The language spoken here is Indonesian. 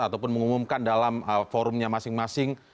ataupun mengumumkan dalam forumnya masing masing